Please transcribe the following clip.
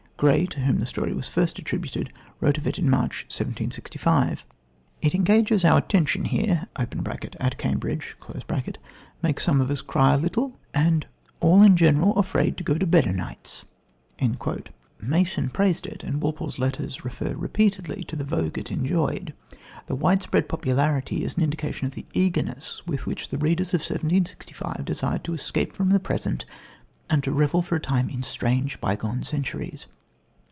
Gray, to whom the story was first attributed, wrote of it in March, 1765: "It engages our attention here (at Cambridge), makes some of us cry a little, and all in general afraid to go to bed o' nights." Mason praised it, and Walpole's letters refer repeatedly to the vogue it enjoyed. This widespread popularity is an indication of the eagerness with which readers of 1765 desired to escape from the present and to revel for a time in strange, bygone centuries.